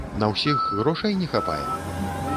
На ўсіх грошай не хапае?